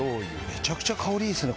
めちゃくちゃ香りいいっすね